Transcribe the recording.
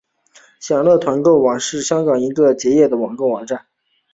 享乐团购网是香港一个已结业的团购网站。